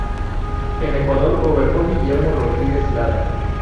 En Ecuador, gobernó Guillermo Rodríguez Lara.